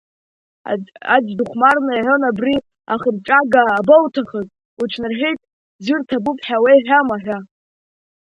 Аӡә дыхәмарны иҳәон абри ахырҵәага абоуҭахыз, уцәнарҳәит, ӡәыр ҭабуп ҳәа уеиҳәома ҳәа…